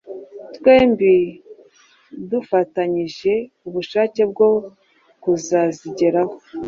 twembi dufatanyije ubushake bwo kuzazigeraho,